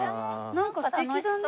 なんか楽しそう。